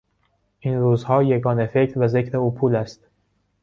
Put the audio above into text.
این روزها یگانه فکر و ذکر او پول است.